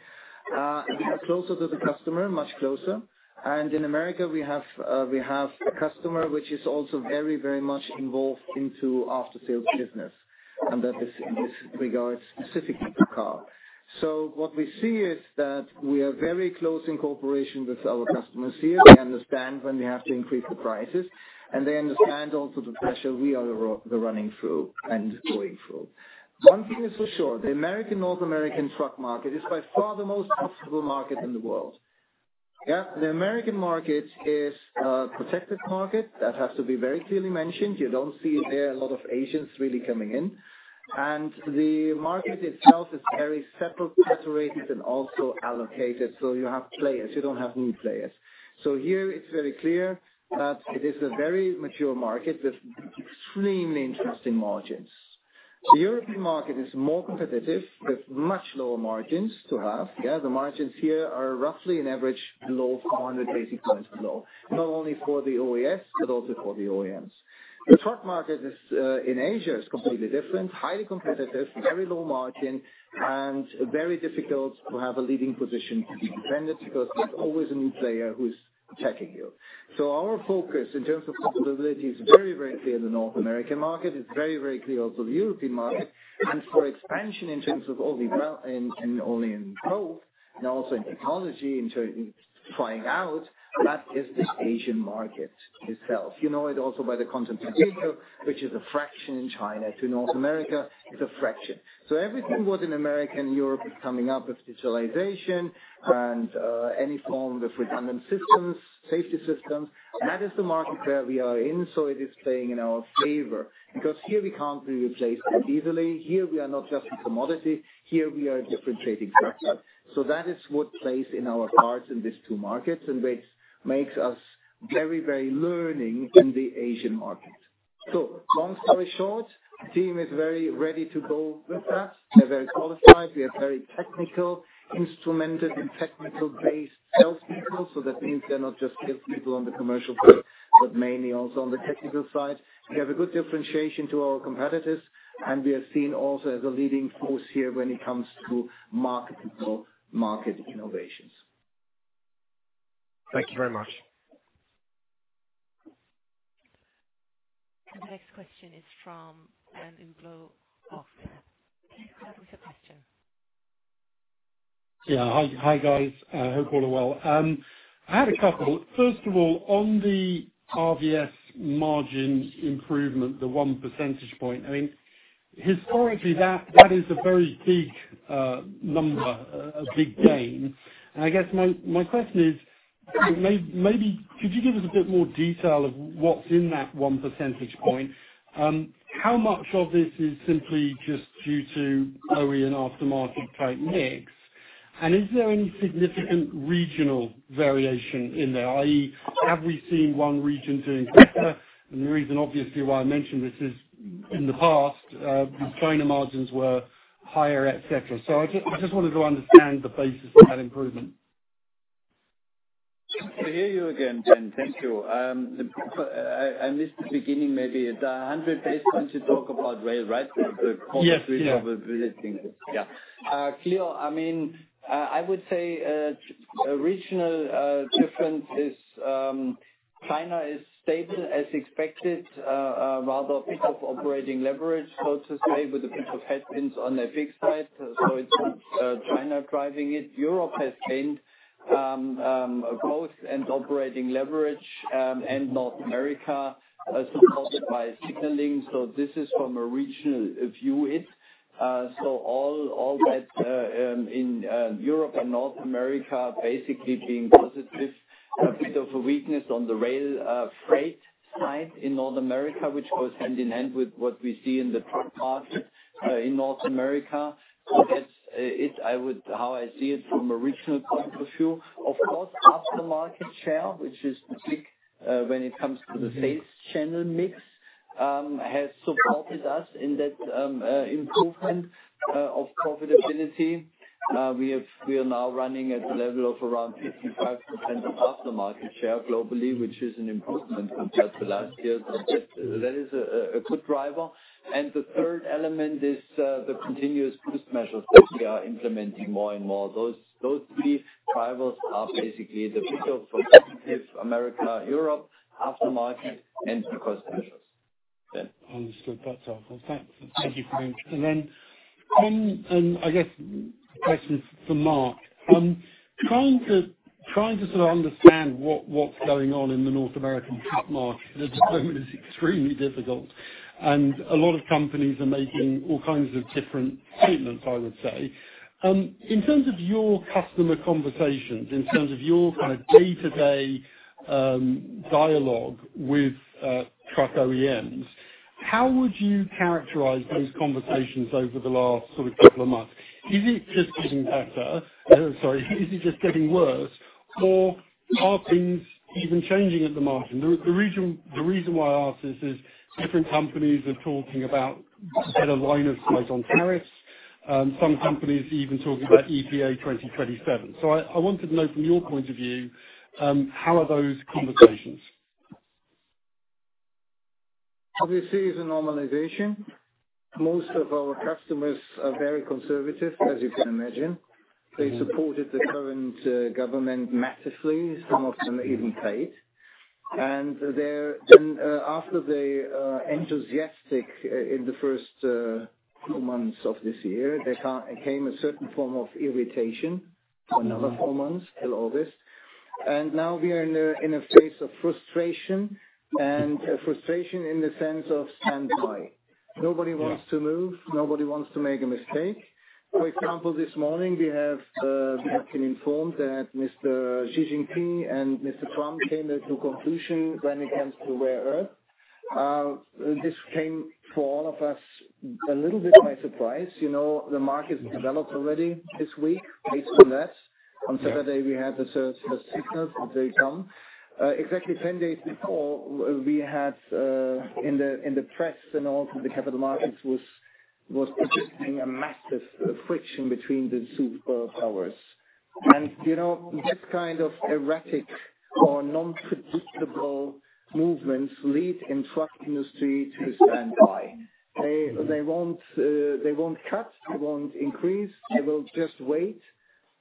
We are closer to the customer, much closer. In America, we have a customer which is also very, very much involved into after-sales business, and that is in this regard specifically to car. What we see is that we are very close in cooperation with our customers here. They understand when we have to increase the prices, and they understand also the pressure we are running through and going through. One thing is for sure: the North American truck market is by far the most profitable market in the world. The American market is a protected market. That has to be very clearly mentioned. You do not see there a lot of agents really coming in. The market itself is very settled, saturated, and also allocated. You have players. You do not have new players. Here, it is very clear that it is a very mature market with extremely interesting margins. The European market is more competitive with much lower margins to have. Yeah, the margins here are roughly on average below 400 basis points below, not only for the OES but also for the OEMs. The truck market in Asia is completely different, highly competitive, very low margin, and very difficult to have a leading position to be defended because there is always a new player who is attacking you. Our focus in terms of profitability is very, very clear in the North American market. It is very, very clear also in the European market. For expansion in terms of only in growth, now also in technology trying out, that is the Asian market itself. You know it also by the content potential, which is a fraction in China to North America. It's a fraction. Everything that in America and Europe is coming up with digitalization and any form of redundant systems, safety systems, that is the market where we are in. It is playing in our favor because here we can't be replaced easily. Here we are not just a commodity. Here we are a differentiating factor. That is what plays in our cards in these two markets, and which makes us very, very learning in the Asian market. Long story short, the team is very ready to go with that. They're very qualified. We have very technical, instrumented, and technical-based salespeople. That means they're not just salespeople on the commercial side but mainly also on the technical side. We have a good differentiation to our competitors, and we are seen also as a leading force here when it comes to market innovations. Thank you very much. The next question is from Ben Uglow, OxCap. Have a quick question. Yeah. Hi, guys. I hope all are well. I had a couple. First of all, on the RVS margin improvement, the one percentage point, I mean, historically, that is a very big number, a big gain. I guess my question is, maybe could you give us a bit more detail of what's in that 1 percentage point? How much of this is simply just due to OE and aftermarket type mix? Is there any significant regional variation in there, i.e., have we seen one region doing better? The reason, obviously, why I mentioned this is in the past, China margins were higher, et cetera. I just wanted to understand the basis for that improvement. To hear you again, Ben. Thank you. I missed the beginning maybe. The 100 baseline you talk about, right, the concentration of the things. Yeah. Clear. I mean, I would say a regional difference is China is stable as expected, rather a bit of operating leverage, so to say, with a bit of headwinds on FX side. So it's China driving it. Europe has gained both and operating leverage, and North America supported by signaling. This is from a regional view, it. All that in Europe and North America basically being positive, a bit of a weakness on the rail freight side in North America, which goes hand in hand with what we see in the truck market in North America. That's it, how I see it from a regional point of view. Of course, aftermarket share, which is the big when it comes to the sales channel mix, has supported us in that improvement of profitability. We are now running at a level of around 55% of aftermarket share globally, which is an improvement compared to last year. That is a good driver. The third element is the continuous BOOST measures that we are implementing more and more. Those three drivers are basically the bit of competitive America, Europe, aftermarket, and because of measures. Understood. That's helpful. Thank you, Frank. I guess question for Marc. Trying to sort of understand what's going on in the North American truck market at the moment is extremely difficult. A lot of companies are making all kinds of different statements, I would say. In terms of your customer conversations, in terms of your kind of day-to-day dialogue with truck OEMs, how would you characterize those conversations over the last sort of couple of months? Is it just getting better? Sorry. Is it just getting worse? Or are things even changing at the margin? The reason why I ask this is different companies are talking about a better line of sight on tariffs. Some companies are even talking about EPA 2027. I wanted to know from your point of view, how are those conversations? Obviously, it's a normalization. Most of our customers are very conservative, as you can imagine. They supported the current government massively. Some of them even paid. After they were enthusiastic in the first two months of this year, there came a certain form of irritation for another four months till August. Now we are in a phase of frustration, and frustration in the sense of standby. Nobody wants to move. Nobody wants to make a mistake. For example, this morning, we have been informed that Mr. Xi Jinping and Mr. Trump came to a conclusion when it comes to rare earth. This came for all of us a little bit by surprise. The market has developed already this week based on that. On Saturday, we had the first signals that they come. Exactly 10 days before, we had in the press and also the capital markets was predicting a massive friction between the superpowers. This kind of erratic or non-predictable movements lead in the truck industry to standby. They won't cut. They won't increase. They will just wait.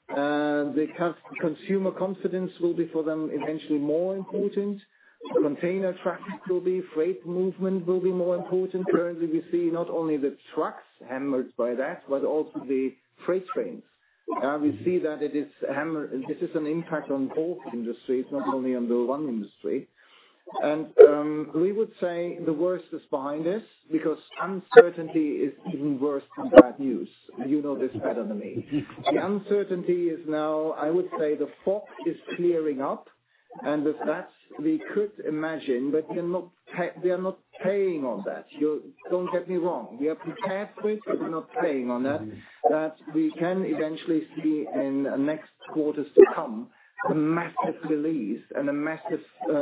The consumer confidence will be for them eventually more important. Container traffic will be. Freight movement will be more important. Currently, we see not only the trucks hammered by that, but also the freight trains. We see that this is an impact on both industries, not only on the one industry. We would say the worst is behind us because uncertainty is even worse than bad news. You know this better than me. The uncertainty is now, I would say the fog is clearing up, and that's we could imagine, but they are not paying on that. Don't get me wrong. We are prepared for it, but not paying on that. That we can eventually see in the next quarters to come a massive release and a massive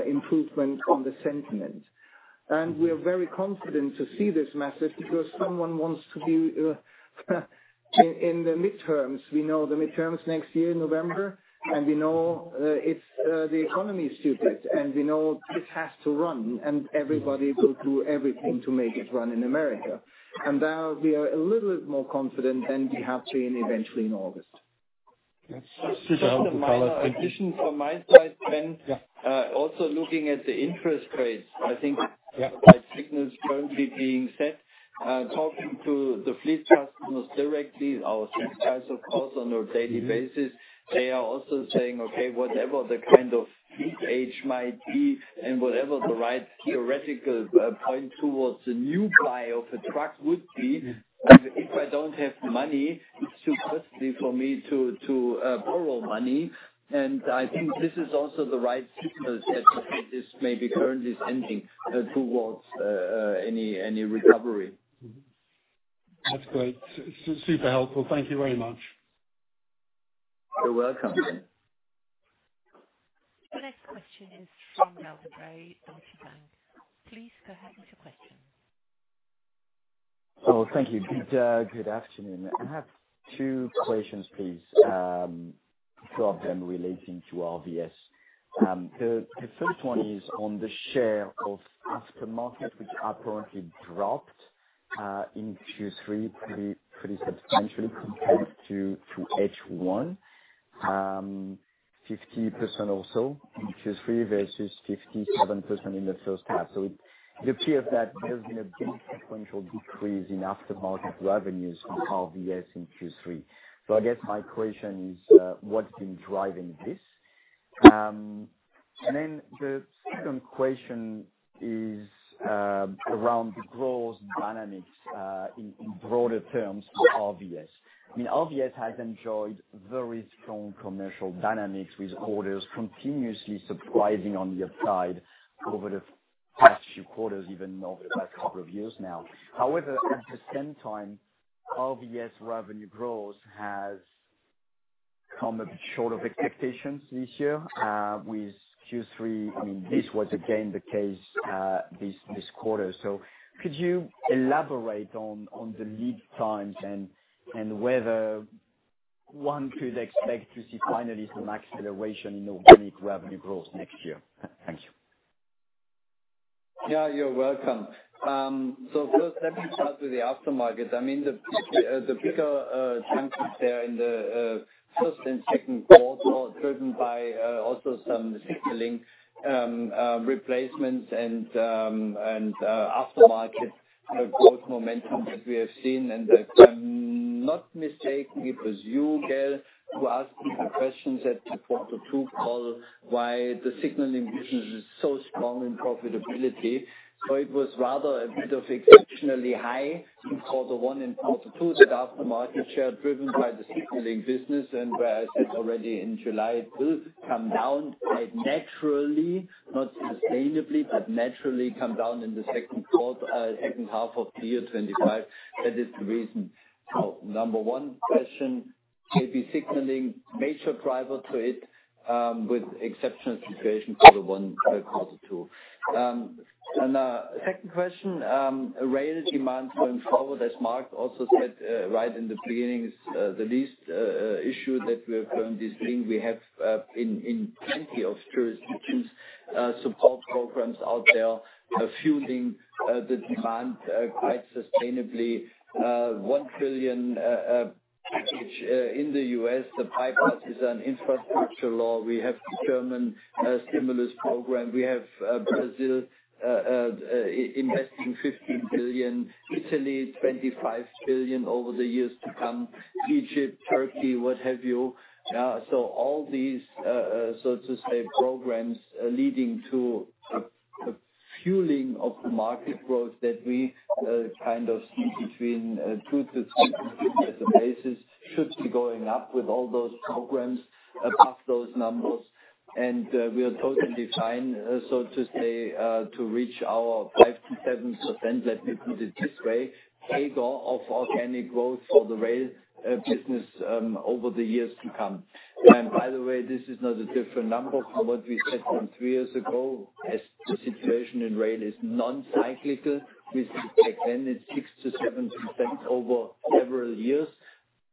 improvement on the sentiment. We are very confident to see this massive because someone wants to be in the midterms. We know the midterms next year in November, and we know the economy is stupid, and we know this has to run, and everybody will do everything to make it run in America. We are a little bit more confident than we have been eventually in August. That's super helpful. In addition, from my side, Ben, also looking at the interest rates, I think the right signals are currently being set. Talking to the fleet customers directly, our fleet guys, of course, on a daily basis, they are also saying, "Okay, whatever the kind of age might be and whatever the right theoretical point towards a new buy of a truck would be, if I do not have money, it is too costly for me to borrow money." I think this is also the right signal that this may be currently sending towards any recovery. That's great. Super helpful. Thank you very much. You're welcome. The next question is from Gael de-Bray, Deutsche Bank. Please go ahead with your question. Oh, thank you. Good afternoon. I have two questions, please, two of them relating to RVS. The first one is on the share of aftermarket, which apparently dropped in Q3 pretty substantially compared to H1, 50% or so in Q3 versus 57% in the first half. It appears that there's been a big sequential decrease in aftermarket revenues in RVS in Q3. I guess my question is, what's been driving this? The second question is around the growth dynamics in broader terms for RVS. I mean, RVS has enjoyed very strong commercial dynamics with orders continuously surprising on the upside over the past few quarters, even over the last couple of years now. However, at the same time, RVS revenue growth has come a bit short of expectations this year with Q3. I mean, this was again the case this quarter. Could you elaborate on the lead times and whether one could expect to see finalism acceleration in organic revenue growth next year? Thank you. Yeah, you're welcome. First, let me start with the aftermarket. I mean, the bigger chunk there in the first and second quarter driven by also some signaling replacements and aftermarket growth momentum that we have seen. If I'm not mistaken, it was you, Gael, who asked me the questions at the quarter two call why the signaling business is so strong in profitability. It was rather a bit of exceptionally high in quarter one and quarter two, that aftermarket share driven by the signaling business. Where I said already in July, it will come down naturally, not sustainably, but naturally come down in the second half of the year 2025. That is the reason. Number one question, maybe signaling major driver to it with exceptional situation for the one quarter two. Second question, rail demand going forward, as Marc also said right in the beginning, is the least issue that we are currently seeing. We have in plenty of jurisdictions support programs out there fueling the demand quite sustainably. One trillion package in the U.S., the Bipartisan Infrastructure Law. We have the German stimulus program. We have Brazil investing $15 billion, Italy $25 billion over the years to come, Egypt, Turkey, what have you. All these, so to say, programs leading to the fueling of the market growth that we kind of see between 2%-3% basis should be going up with all those programs above those numbers. We are totally fine, so to say, to reach our 5%-7%, let me put it this way, CAGR of organic growth for the rail business over the years to come. By the way, this is not a different number from what we said three years ago as the situation in rail is non-cyclical. We see back then it is 6%-7% over several years.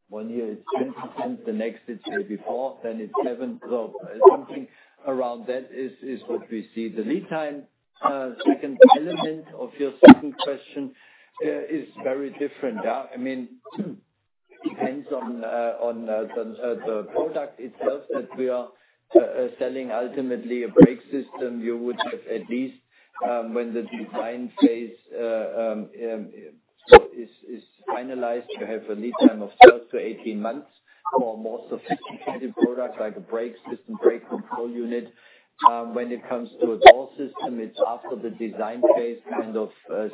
One year it is 10%, the next it is maybe 4%, then it is 7%. Something around that is what we see. The lead time, second element of your second question, is very different. I mean, it depends on the product itself that we are selling. Ultimately, a brake system, you would have at least when the design phase is finalized, you have a lead time of 12 months-18 months for more sophisticated products like a brake system, brake control unit. When it comes to a door system, it is after the design phase, kind of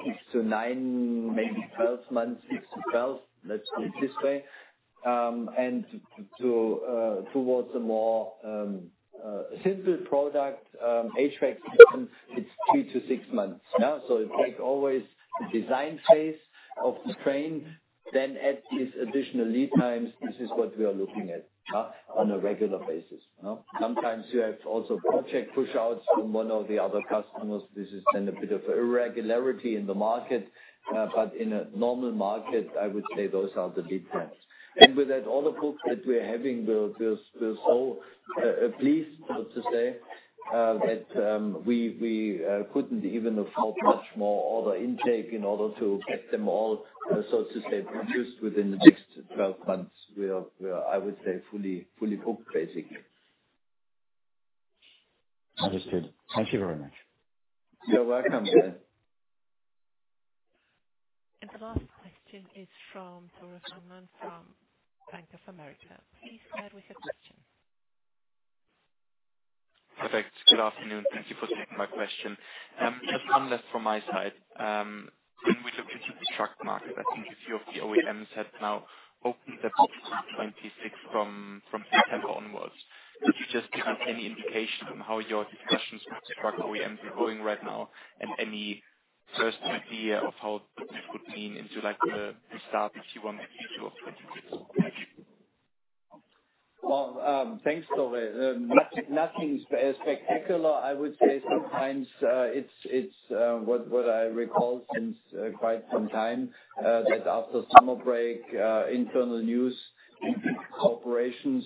six to nine, maybe 12 months, six to 12, let us put it this way. Towards a more simple product, HVAC system, it is three to six months. It takes always the design phase of the train. Then at these additional lead times, this is what we are looking at on a regular basis. Sometimes you have also project push-outs from one or the other customers. This is then a bit of irregularity in the market. In a normal market, I would say those are the lead times. With that, all the books that we are having will show a, please, so to say, that we could not even afford much more order intake in order to get them all, so to say, produced within the next 12 months. We are, I would say, fully booked, basically. Understood. Thank you very much. You're welcome, Gael. The last question is from Tore Fangmann from Bank of America. Please bear with the question. Perfect. Good afternoon. Thank you for taking my question. Just one last from my side. When we looked into the truck market, I think a few of the OEMs had now opened up 2026 from September onwards. Could you just give us any indication on how your discussions with the truck OEMs are going right now and any first idea of how this would lean into the start the Q1 or Q2 of 2026? Thanks, Tore. Nothing spectacular, I would say. Sometimes it's what I recall since quite some time that after summer break, internal news in big corporations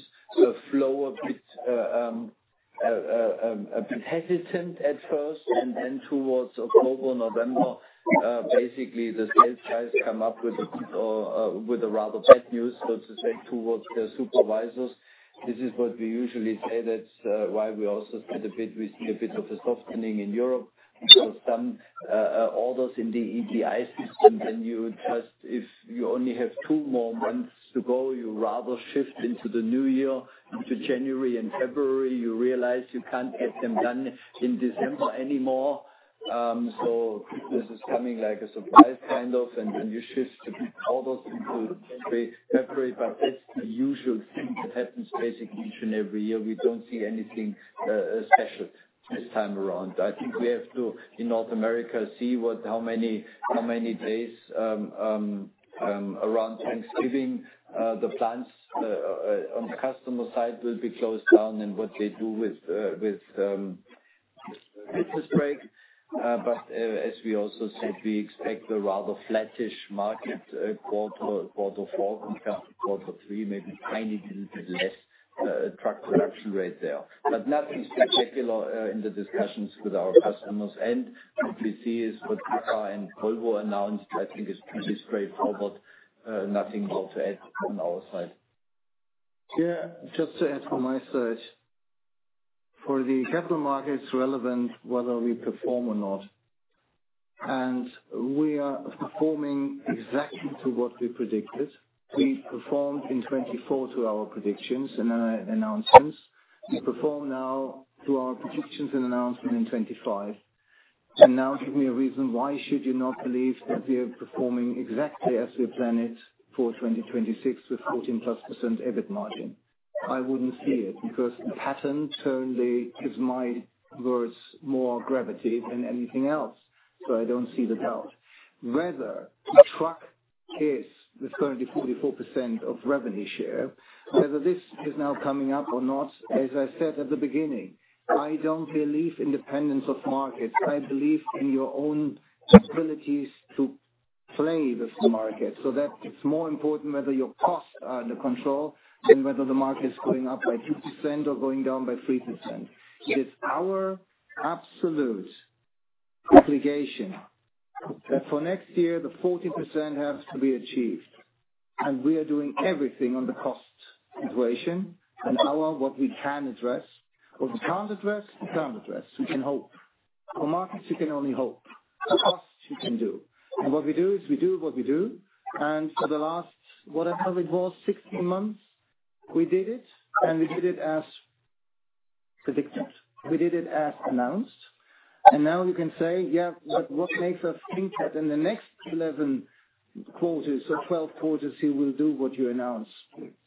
flow a bit hesitant at first. Then towards October-November, basically the sales guys come up with rather bad news, so to say, towards their supervisors. This is what we usually say. That's why we also said we see a bit of a softening in Europe for some orders in the EDI system. If you only have two more months to go, you rather shift into the new year into January and February. You realize you can't get them done in December anymore. This is coming like a surprise, kind of. You shift the orders into February. That's the usual thing that happens basically each and every year. We do not see anything special this time around. I think we have to, in North America, see how many days around Thanksgiving the plants on the customer side will be closed down and what they do with Christmas break. As we also said, we expect a rather flattish market quarter four compared to quarter three, maybe a tiny little bit less truck production rate there. Nothing spectacular in the discussions with our customers. What we see is what PACCAR and Volvo announced, I think, is pretty straightforward. Nothing more to add on our side. Yeah. Just to add from my side, for the capital markets, relevant whether we perform or not. We are performing exactly to what we predicted. We performed in 2024 to our predictions and announcements. We perform now to our predictions and announcements in 2025. Now give me a reason why should you not believe that we are performing exactly as we planned it for 2026 with 14+% EBIT margin. I would not see it because the pattern currently is, in my words, more gravity than anything else. I do not see the doubt. Whether the truck is with currently 44% of revenue share, whether this is now coming up or not, as I said at the beginning, I do not believe in dependence of markets. I believe in your own abilities to play with the market. It is more important whether your costs are under control and whether the market is going up by 2% or going down by 3%. It is our absolute obligation that for next year, the 40% has to be achieved. We are doing everything on the cost situation and what we can address. What we cannot address, we cannot address. We can hope. For markets, you can only hope. The cost, you can do. What we do is we do what we do. For the last, whatever it was, 16 months, we did it. We did it as predicted. We did it as announced. Now you can say, "Yeah, but what makes us think that in the next 11 quarters or 12 quarters, you will do what you announced?"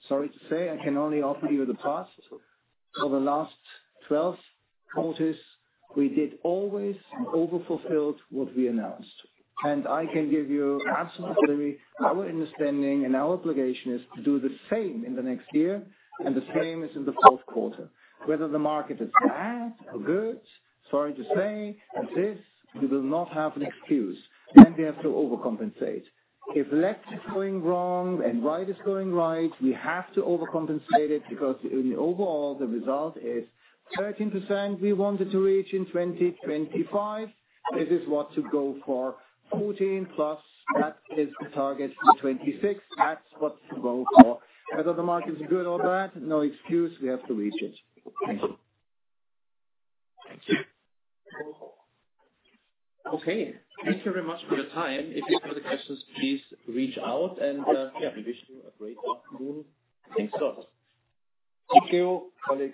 Sorry to say, I can only offer you the past. For the last 12 quarters, we did always over-fulfilled what we announced. I can give you absolute clarity. Our understanding and our obligation is to do the same in the next year and the same as in the fourth quarter. Whether the market is bad or good, sorry to say, as is, we will not have an excuse. We have to overcompensate. If left is going wrong and right is going right, we have to overcompensate it because overall, the result is 13% we wanted to reach in 2025. This is what to go for, 14%+, that is the target for 2026. That is what to go for. Whether the market is good or bad, no excuse. We have to reach it. Thank you. Thank you. Okay. Thank you very much for your time. If you have any questions, please reach out. Yeah, we wish you a great afternoon. Thanks a lot. Thank you. Bye.